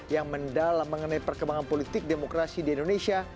yang mendalam mengenai perkembangan politik demokrasi di indonesia